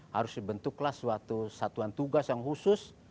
harus dibentuklah suatu satuan tugas yang khusus